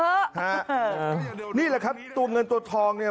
นี่แหละครับตัวเงินตัวทองเนี่ย